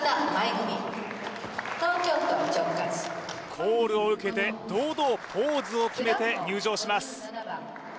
組コールを受けて堂々ポーズを決めて入場します